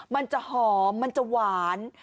มันจะหอมมันจะหวาน